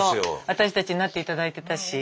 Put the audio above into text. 私たちになって頂いてたし。